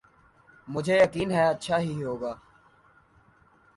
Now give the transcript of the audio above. مجھے یقین ہے اچھا ہی ہو گا۔